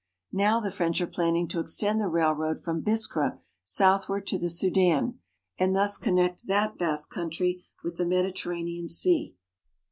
Now the French are planning to extend the railroad from Biskra southward to the Sudan, and thus connect that vast coun try with the Mediterranean Sea.